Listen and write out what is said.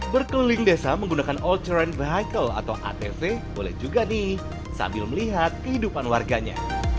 berkeliling desa menggunakan all train vehicle atau atv boleh juga nih sambil melihat kehidupan warganya